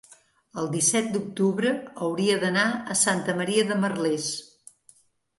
el disset d'octubre hauria d'anar a Santa Maria de Merlès.